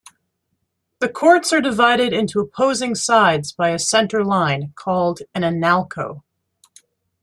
The courts are divided into opposing sides by a center line, called an "analco".